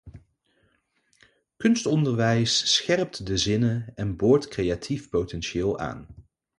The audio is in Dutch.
Kunstonderwijs scherpt de zinnen en boort creatief potentieel aan.